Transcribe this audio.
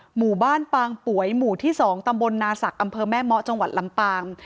หมู่บ้านปางป่วยหมู่ที่๒ตำบลนาศักดิ์อำเภอแม่เมาะจังหวัดลำปาง